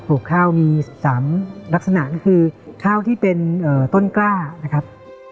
ลูกข้าวมี๓ลักษณะก็คือข้าวที่เป็นต้นกล้านะครับ